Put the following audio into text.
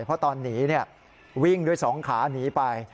เพราะตอนหนีวิ่งด้วย๒ขาหนีไป